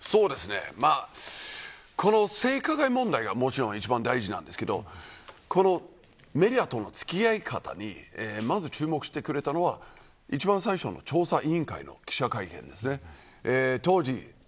この性加害問題が一番大事ですがメディアとの付き合い方にまず、注目してくれたのは一番最初の調査委員会の記者会見です。